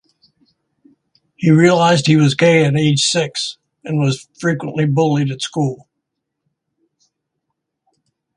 He realized he was gay at age six, and was frequently bullied at school.